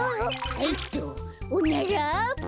はいっとおなら。